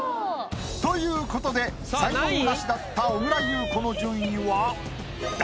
ということで才能ナシだった小倉優子の順位は。